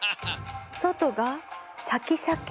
そとがシャキシャキ？